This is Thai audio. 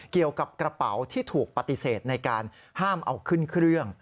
เกี่ยวกับกระเป๋าที่ถูกปฏิเสธในการห้ามเอาขึ้นเครื่อง